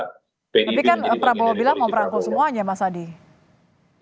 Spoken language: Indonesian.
tapi kan prabowo bilang mau merangkul semuanya mas adi